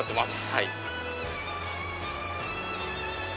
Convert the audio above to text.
はい。